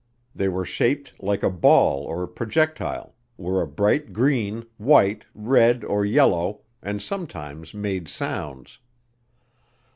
They were shaped like a ball or projectile, were a bright green, white, red, or yellow and sometimes made sounds.